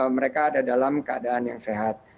mereka ada dalam keadaan yang sehat